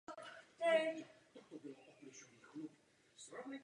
V Poslanecké sněmovně působí jako místopředseda kontrolního výboru.